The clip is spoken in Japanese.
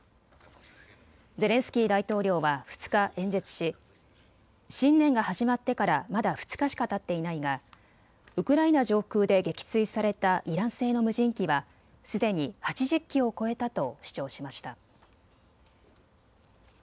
ゼレンスキー大統領は２日、演説し新年が始まってからまだ２日しかたっていないがウクライナ上空で撃墜されたイラン製の無人機はすでに８０機を超えたと主張しました。